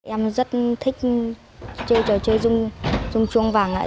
em rất thích chơi trò chơi dung chuông vàng ạ